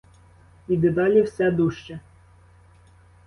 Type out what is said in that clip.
І дедалі все дужче.